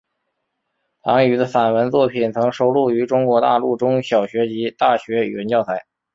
唐弢的散文作品曾收录于中国大陆中小学及大学语文教材。